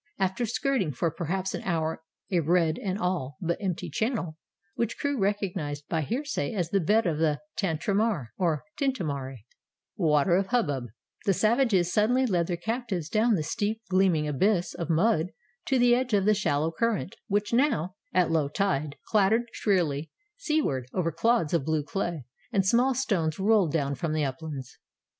After skirting for perhaps an hour a red and all but empty channel, which Crewe recognized by hearsay as the bed of the Tantramar (or Tintamarre, "water of hubbub"), the savages suddenly led their captives down the steep, gleaming abyss of mud to the edge of the shallow current, which now, at low tide, clattered shrilly seaward over clods of blue clay and small stones rolled down from the uplands.